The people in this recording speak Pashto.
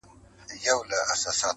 ډلي ډلي به مخلوق ورته راتلله!